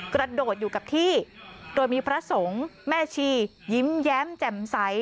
กระโดดอยู่กับที่โดยมีพระสงฆ์แม่ชียิ้มแย้มแจ่มใส